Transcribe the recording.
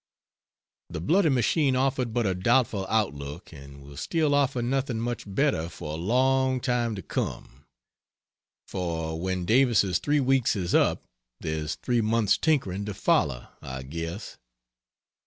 The bloody machine offered but a doubtful outlook and will still offer nothing much better for a long time to come; for when Davis's "three weeks" is up there's three months' tinkering to follow I guess.